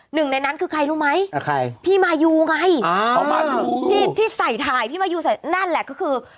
หนึ่งในนั้นคือใครรู้ไหมพี่มายูไงที่ที่ใส่ถ่ายพี่มายูใส่นั่นแหละก็คือ